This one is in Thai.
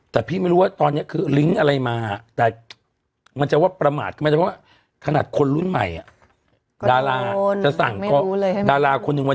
สั่งไปสั่งมาเอ้าเงินในแบงค์หมดเลย